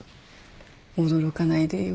驚かないでよ。